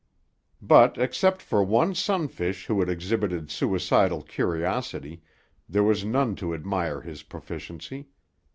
But, except for one sunfish who had exhibited suicidal curiosity, there was none to admire his proficiency.